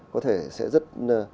có thể sẽ rất